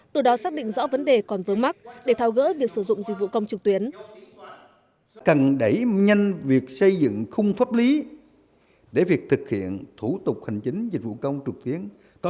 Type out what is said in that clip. từ đó xác định rõ vấn đề còn vớ mắc để thao gỡ việc sử dụng dịch vụ công trực tuyến